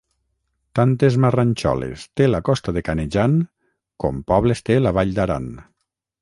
Tantes marranxoles té la costa de Canejan com pobles té la Vall d'Aran.